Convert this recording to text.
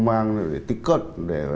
hàng đầy đủ rồi rồi